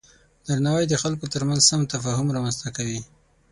درناوی د خلکو ترمنځ سم تفاهم رامنځته کوي.